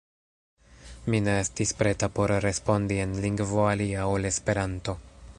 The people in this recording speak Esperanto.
Mi ne estis preta por respondi en lingvo alia ol Esperanto.